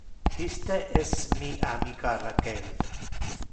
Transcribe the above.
Iste es mi amica Rachel.